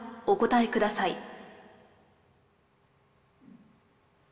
お答えください。